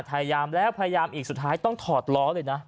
พยายามแล้วพยายามอีกสุดท้ายต้องถอดล้อเลยนะ